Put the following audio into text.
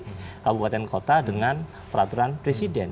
jadi kabupaten kota dengan peraturan presiden